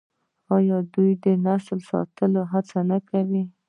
آیا دوی د دې نسل د ساتلو هڅه نه کوي؟